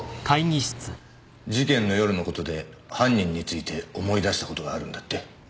事件の夜の事で犯人について思い出した事があるんだって？